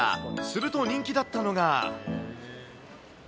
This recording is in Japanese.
すると人気だったのが。